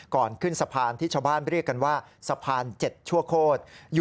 ก่อนขึ้นสะพานที่ชาวบ้านเรียกกันว่าสะพาน๗ชั่วโคตร